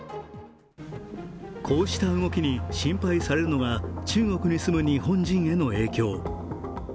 こうした動きに心配されるのが中国に住む日本人への影響。